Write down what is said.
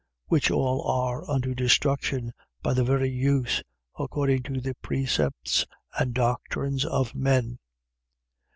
Which all are unto destruction by the very use, according to the precepts and doctrines of men.